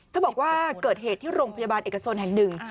บอกว่าเกิดเหตุที่โรงพยาบาลเอกชนแห่งหนึ่ง